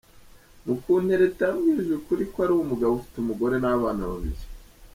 Mukuntereta yambwije ukuri ko ari umugabo ufite umugore n’abana babiri .